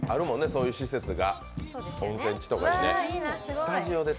そういう施設が温泉地とかで。